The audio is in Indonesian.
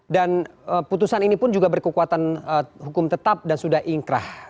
dan putusan ini pun juga berkekuatan hukum tetap dan sudah ingkrah